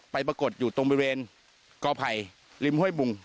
ปรากฏอยู่ตรงบริเวณกอภัยริมห้วยบุง